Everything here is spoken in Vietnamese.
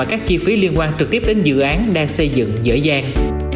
ở các chi phí liên quan trực tiếp đến dự án đang xây dựng dễ dàng